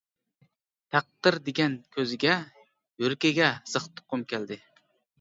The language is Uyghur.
تەقدىر دېگەن كۆزىگە، يۈرىكىگە زىق تىققۇم كەلدى.